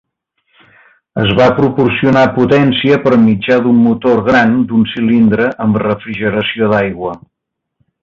Es va proporcionar potència per mitjà d"un motor gran d"un cilindre amb refrigeració d"aigua.